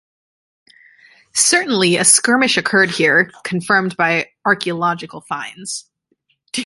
Certainly a skirmish occurred here, confirmed by archaeological finds.